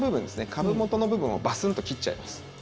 株元の部分をバスンと切っちゃいます。